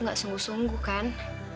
gak sungguh sungguh kan